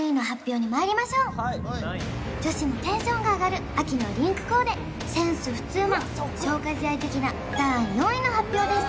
それでは女子のテンションが上がる秋のリンクコーデセンスふつマン消化試合的な第４位の発表です